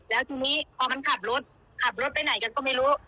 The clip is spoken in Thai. แล้วทีนี้พอมันขับรถขับรถไปไหนกันก็ไม่รู้